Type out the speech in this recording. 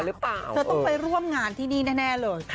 เธอต้องไปร่วมงานที่นี่แน่เลย